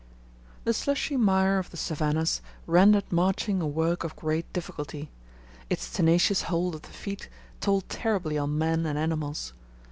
The slushy mire of the savannahs rendered marching a work of great difficulty; its tenacious hold of the feet told terribly on men and animals.